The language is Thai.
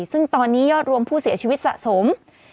ซึ่งตอนนี้ยอดรวมผู้เสียชีวิตสะสม